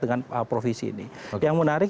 dengan provinsi ini yang menarik